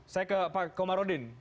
saya ke pak komarudin